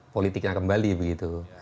politiknya kembali begitu